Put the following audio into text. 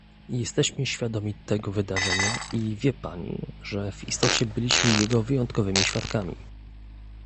Jesteśmy świadomi tego wydarzenia i wie pani, że w istocie byliśmy jego wyjątkowymi świadkami